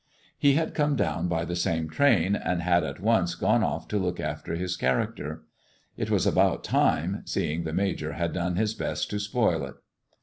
He had come down by the same train, and had at once gone ofE to look after his character. It was about time, seeing the Major had done his best to spoil it.